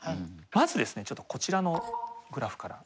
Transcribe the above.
まずですねこちらのグラフから。